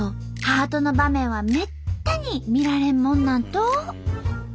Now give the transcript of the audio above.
ハートの場面はめったに見られんもんなんと。